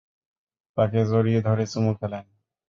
তাঁকে জড়িয়ে ধরে চুমু খেলেন।